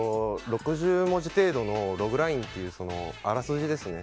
６０文字程度のログラインというあらすじですね。